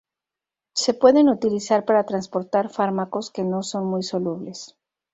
Se pueden utilizar para transportar fármacos que no son muy solubles.